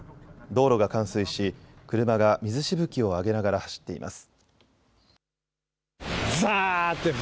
道路が冠水し、車が水しぶきを上げながら走っています。